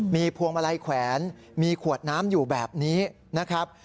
มีพวงมาลัยแขวนมีขวดน้ำอยู่แบบนี้นะครับ